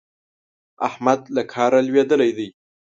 احمد له کاره لوېدلی دی.